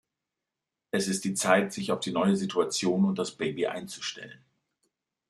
Es ist die Zeit, sich auf die neue Situation und das Baby einzustellen.